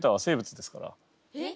えっ？